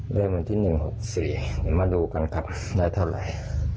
เรื่องเหมือนที่๑๖๔มาดูกันครับได้เท่าไหร่